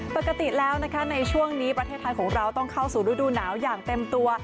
ปกติแล้วนะคะในช่วงนี้ประเทศไทยของเราต้องเข้าสู่ฤดูหนาวอย่างเต็มตัว